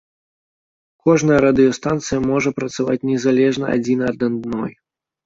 Кожная радыёстанцыя можа працаваць незалежна адзіна ад адной.